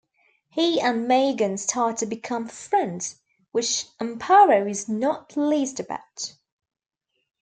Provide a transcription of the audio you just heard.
He and Megan start to become friends, which Amparo is not pleased about.